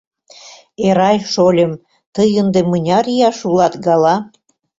Эрай шольым, тый ынде мыняр ияш улат гала?